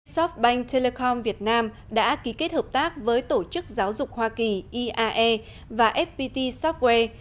shop bank telecom việt nam đã ký kết hợp tác với tổ chức giáo dục hoa kỳ iae và fpt software